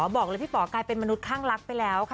บอกเลยพี่ป๋อกลายเป็นมนุษย์ข้างลักษณ์ไปแล้วค่ะ